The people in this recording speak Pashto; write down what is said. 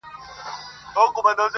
له خپل ځانه مي کافر جوړ کړ ته نه وي!!